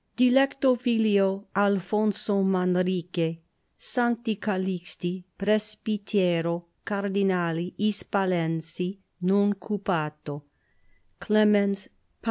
Dilecto filio Alfonso Manrique, Sancti Calixti presbytero cardinali, Hispalensi nuncupato, Clemens PP.